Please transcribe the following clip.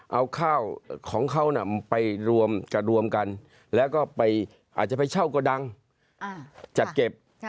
เอาข้าวของเขาไปรวมจะรวมกันแล้วก็ไปอาจจะไปเช่ากระดังจัดเก็บ